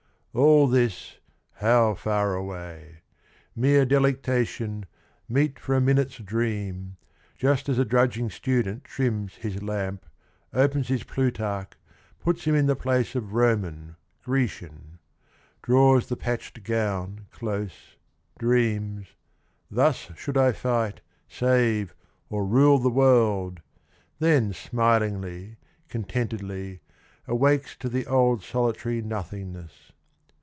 All this, how far away ! Mere delectation, meet for a minute's dream 1 — Just as a drudging student trims his lamp, Opens his Plutarch, puts him in the place Of Roman, Grecian; draws the patched gown close, Dreams, 'Thus should I fight, save or rule the world I' — Then smilingly, contentedly, awakes To the old solitary nothingness.